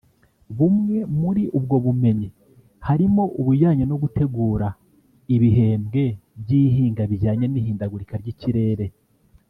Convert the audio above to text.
Bumwe muri ubwo bumenyi harimo ubujyanye no gutegura ibihembwe by’ihinga bijyanye n’ihindagurika ry’ikirere